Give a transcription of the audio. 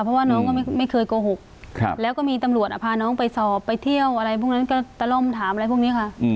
เพราะว่าน้องก็ไม่เคยโกหกแล้วก็มีตำรวจพาน้องไปสอบไปเที่ยวอะไรพวกนั้นก็ตะล่มถามอะไรพวกนี้ค่ะ